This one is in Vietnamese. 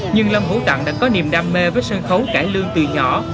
nhưng lâm hữu trạng đã có niềm đam mê với sân khấu cải lương từ nhỏ